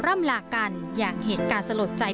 ่ำลากันอย่างเหตุการณ์สลดใจ